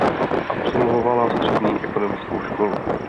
Absolvovala střední ekonomickou školu.